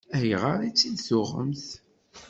Ayɣer i tt-id-tuɣemt?